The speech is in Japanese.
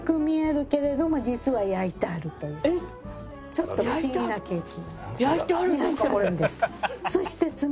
ちょっと不思議なケーキ。